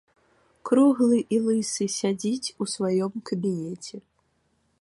Круглы і лысы сядзіць у сваім кабінеце.